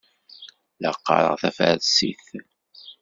La qqareɣ tafarsit.